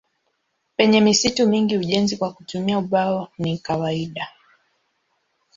Penye misitu mingi ujenzi kwa kutumia ubao ni kawaida.